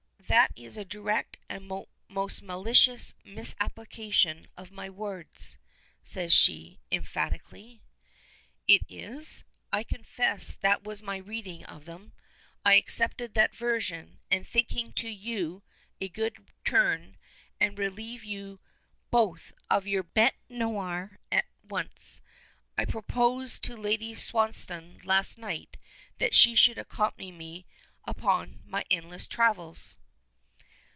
"That is a direct and most malicious misapplication of my words," says she, emphatically. "Is it? I confess that was my reading of them. I accepted that version, and thinking to do you a good turn, and relieve you of both your bêtes noire at once, I proposed to Lady Swansdown last night that she should accompany me upon my endless travels."